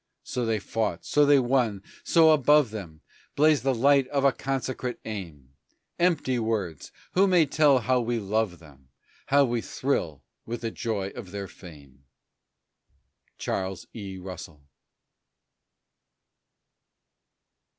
So they fought, so they won, so above them Blazed the light of a consecrate aim; Empty words! Who may tell how we love them, How we thrill with the joy of their fame! CHARLES E. RUSSELL.